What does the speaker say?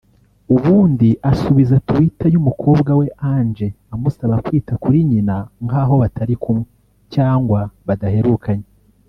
ubundi asubiza twitter y’umukobwa we Ange amusaba kwita kuri nyina nk’aho batari kumwe cyangwa badaherukanye